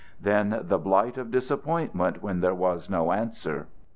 Then the blight of disappointment when there was no answer.